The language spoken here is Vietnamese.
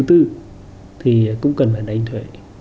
thì cũng cần phải đánh thuế